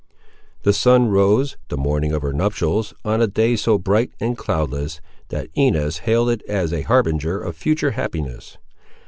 The sun rose, the morning of her nuptials, on a day so bright and cloudless, that Inez hailed it as a harbinger of future happiness.